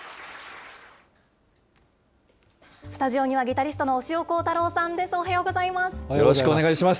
スタジオにはギタリストの押尾コータローさんです、おはようござおはようございます。